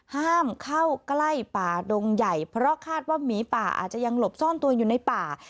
ห้ามเข้าใกล้ป่าดงใหญ่เพราะคาดว่าหมีป่าอาจจะยังหลบซ่อนตัวอยู่ในป่า